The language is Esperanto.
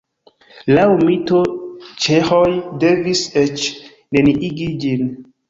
Laŭ mito ĉeĥoj devis eĉ neniigi ĝin.